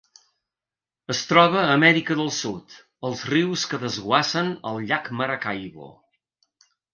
Es troba a Amèrica del Sud, als rius que desguassen al llac Maracaibo.